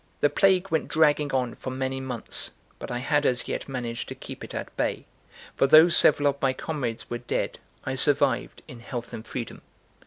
XXIX THE PLAGUE went dragging on for many months, but I had as yet managed to keep it at bay; for though several of my comrades were dead, I survived in health and freedom.